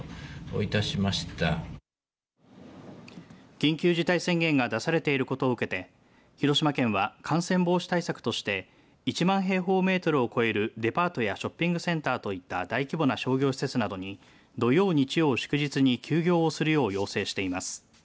緊急事態宣言が出されていることを受けて広島県は、感染防止対策として１万平方メートルを超えるデパートやショッピングセンターといった大規模な商業施設などに土曜、日曜、祝日に休業をするよう要請しています。